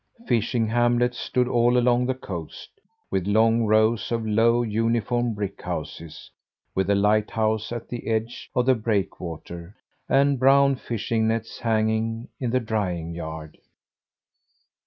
Fishing hamlets stood all along the coast, with long rows of low, uniform brick houses, with a lighthouse at the edge of the breakwater, and brown fishing nets hanging in the drying yard.